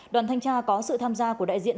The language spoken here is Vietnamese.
đoàn thanh tra có sự tham gia của đại diện